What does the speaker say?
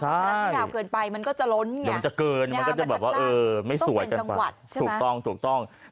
ถ้าทัดยาวเกินไปมันก็จะล้นต้องเป็นกังวดถูกต้อง